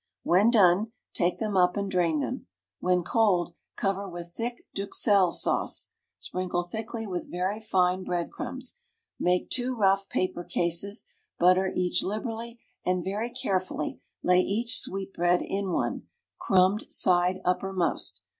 When done, take them up and drain them. When cold, cover with thick d'Uxelles sauce; sprinkle thickly with very fine bread crumbs. Make two rough paper cases, butter each liberally, and very carefully lay each sweetbread in one, crumbed side uppermost.